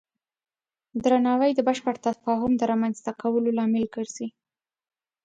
درناوی د بشپړ تفاهم د رامنځته کولو لامل ګرځي.